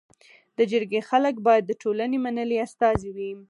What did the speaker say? د جرګي خلک باید د ټولني منلي استازي وي.